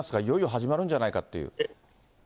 いよいよ始まるんじゃないかという。